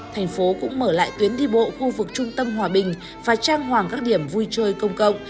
thành phố cũng mở lại tuyến đi bộ khu vực trung tâm hòa bình và trang hoàng các điểm vui chơi công cộng